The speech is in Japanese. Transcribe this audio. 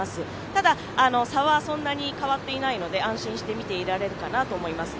ただ差はそんなに変わっていないので安心して見ていられるかなと思います。